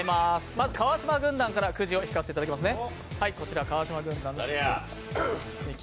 まず川島軍団からくじを引かせていただきますね。